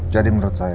jadi menurut saya